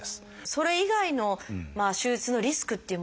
それ以外の手術のリスクっていうものはありますか？